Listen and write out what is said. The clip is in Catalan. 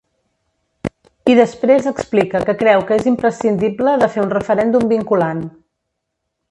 I després explica que creu que és imprescindible de fer un referèndum vinculant.